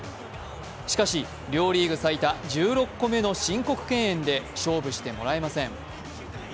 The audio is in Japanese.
しかし、両リーグ最多１６個目の申告敬遠で勝負してもらえません。